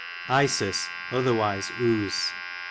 Isis otherwise Use.